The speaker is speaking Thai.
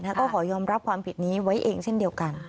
ก็ขอยอมรับความผิดนี้ไว้เองเช่นเดียวกัน